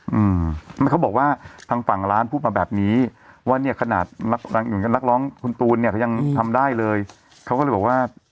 อืมไม่เขาบอกว่าทางฝั่งร้านพูดมาแบบนี้ว่าเนี้ยขนาดนักร้องคุณตูนเนี่ยเขายังทำได้เลยเขาก็เลยบอกว่า